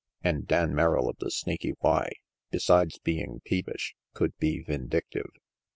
And Dan Merrill of the Snaky Y, besides being peevish, could be vindictive.